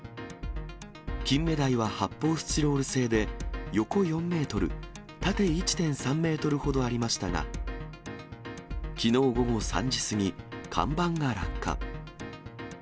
キンメダイは発泡スチロール製で、横４メートル、縦１．３メートルほどありましたが、きのう午後３時過ぎ、看板が落下。